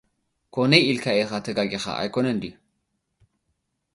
ኰነ ኢልካ ኢኻ ተጋጊኻ፡ ኣይኮነን ድዩ?